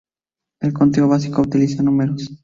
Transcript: El conteo básico utiliza números.